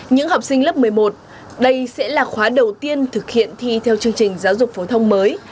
những học sinh lớp một mươi một đây sẽ là khóa đầu tiên thực hiện thi theo chương trình giáo dục phổ thông mới